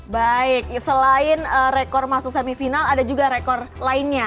baik selain rekor masuk semifinal ada juga rekor lainnya